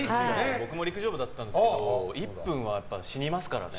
僕も陸上部だったんですけど１分は死にますからね。